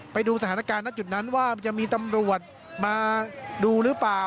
ไปดูสถานการณ์ของหน้าจุดนั้นว่ามีทำรวจมาดูรึเปล่า